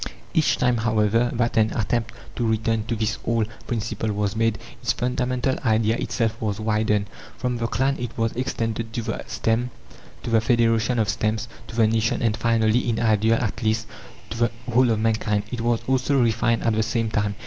Each time, however, that an attempt to return to this old principle was made, its fundamental idea itself was widened. From the clan it was extended to the stem, to the federation of stems, to the nation, and finally in ideal, at least to the whole of mankind. It was also refined at the same time.